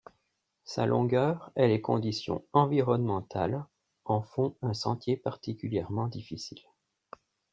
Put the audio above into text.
Sa longueur et les conditions environnementales en font un sentier particulièrement difficile.